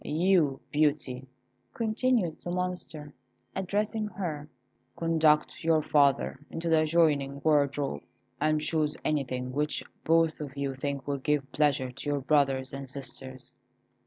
You, Beauty," continued the Monster, addressing her, "conduct your father into the adjoining wardrobe, and choose anything which both of you think will give pleasure to your brothers and sisters.